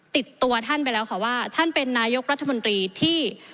ติดตัวท่านไปแล้วค่ะว่าท่านเป็นนายกรัฐมนตรีที่